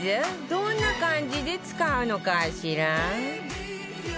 どんな感じで使うのかしら？